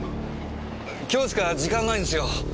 今日しか時間ないんすよ。